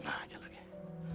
masuk masuk masuk